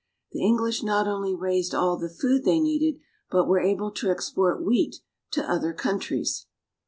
The English not only raised all the food they needed, but were able to export wheat to other countries.